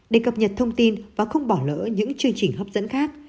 để cập nhật thông tin và không bỏ lỡ những chương trình hấp dẫn khác